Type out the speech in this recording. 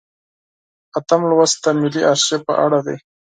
اتم لوست د ملي ارشیف په اړه دی.